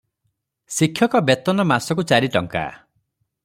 ଶିକ୍ଷକ ବେତନ ମାସକୁ ଚାରି ଟଙ୍କା ।